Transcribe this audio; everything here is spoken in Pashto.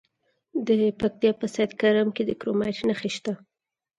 د پکتیا په سید کرم کې د کرومایټ نښې شته.